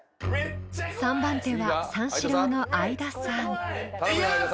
［３番手は三四郎の相田さん］いきます！